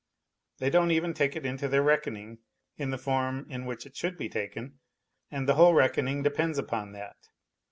They don't even take it into their reckoning in the form in which it should be taken^and the whole reckoning depends upon that.